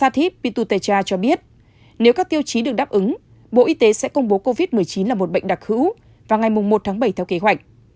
theo chí được đáp ứng bộ y tế sẽ công bố covid một mươi chín là một bệnh đặc hữu vào ngày một tháng bảy theo kế hoạch